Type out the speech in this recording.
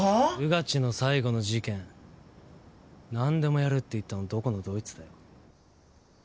穿地の最後の事件なんでもやるって言ったのどこのどいつだよ？